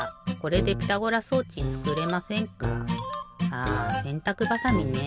ああせんたくばさみねえ。